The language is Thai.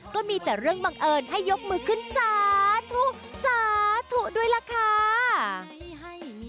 ก็มีแต่เรื่องบังเอิญให้ยกมือขึ้นสาธุสาธุด้วยล่ะค่ะ